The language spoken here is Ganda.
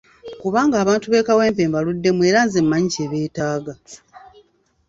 Kubanga abantu b'e Kawempe mbaluddemu era nze mmanyi kye beetaaga.